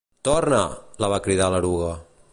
"Torna!", la va cridar l'Eruga.